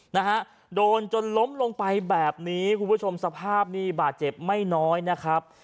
นะฮะโดนจนล้มลงไปแบบนี้คุณผู้ชมสภาพนี่บาดเจ็บไม่น้อยนะครับ